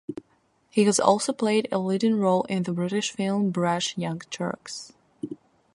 He has also played a leading role in the British film "Brash Young Turks".